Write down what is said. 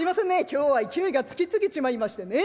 今日は勢いがつき過ぎちまいましてね